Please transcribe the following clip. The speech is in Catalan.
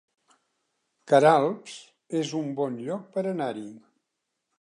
Queralbs es un bon lloc per anar-hi